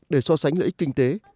để so sánh lợi ích kinh tế